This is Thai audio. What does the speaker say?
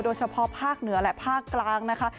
โดยเฉพาะภาคเหนือและภาคกลางนะคะ